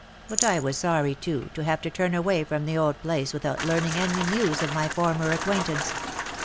But I was sorry, too, to have to turn away from the old place without learn ing any news of my former acquaintance.